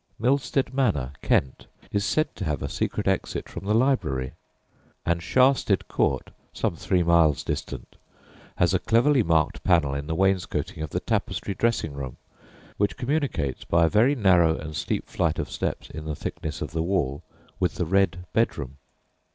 Milsted Manor, Kent, is said to have a secret exit from the library; and Sharsted Court (some three miles distant) has a cleverly marked panel in the wainscoting of "the Tapestry Dressing room," which communicates by a very narrow and steep flight of steps in the thickness of the wall with "the Red Bedroom."